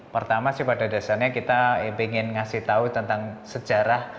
pertama sih pada dasarnya kita ingin ngasih tahu tentang sejarah